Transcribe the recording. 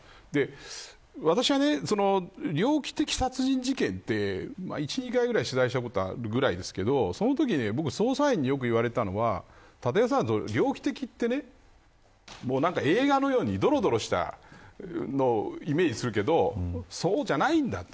私は猟奇的殺人事件って１、２回ぐらい取材したことがあるぐらいですけどそのとき、捜査員によく言われたのは立岩さん、猟奇的ってね映画のようにどろどろしたものをイメージするけどそうじゃないんだ、と。